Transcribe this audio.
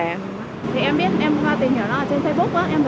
thì em biết em tìm hiểu nó ở trên facebook á